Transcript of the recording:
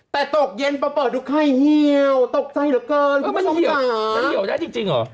แต่ตกเย็นประเป๋าทุกไข่เหี่ยวตกใจเหลือเกินมันเหี่ยวมันเหี่ยวได้จริงจริงหรอ